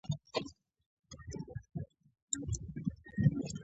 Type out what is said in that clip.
ژبه د ټولنیزو اړیکو اساس دی